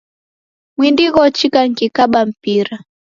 Mwindi ghochika nikikaba mpira